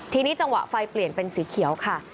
ทีนี้จังหวะไฟเปลี่ยนเป็นสีเขียวค่ะ